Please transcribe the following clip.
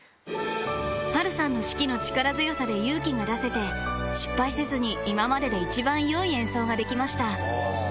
波瑠さんの指揮の力強さで勇気が出せて、失敗せずに、今までで一番よい演奏ができました。